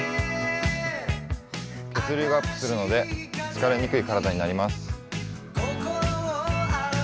血流がアップするので疲れにくい体になります。